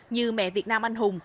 như mẹ việt nam anh hùng